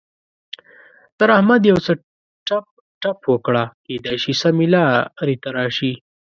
تر احمد يو څه ټپ ټپ وکړه؛ کېدای شي سمې لارې ته راشي.